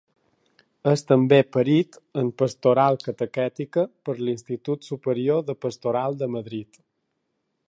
És també perit en Pastoral Catequètica per l'Institut Superior de Pastoral de Madrid.